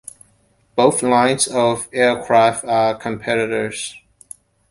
Both lines of aircraft are competitors.